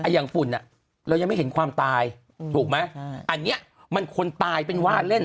ฝุ่นเรายังไม่เห็นความตายถูกไหมอันนี้มันคนตายเป็นว่าเล่น